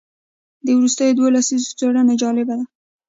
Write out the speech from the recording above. د وروستیو دوو لسیزو څېړنې جالبه دي.